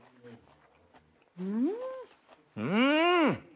うん！